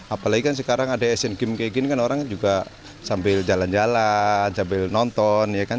apalagi kan sekarang ada asian games kayak gini kan orang juga sambil jalan jalan sambil nonton ya kan